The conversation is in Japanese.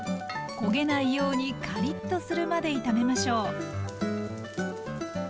焦げないようにカリッとするまで炒めましょう。